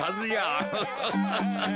アハハハハ。